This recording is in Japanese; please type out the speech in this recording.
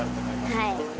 はい。